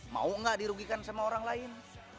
mau nggak dirugikan sama orang lain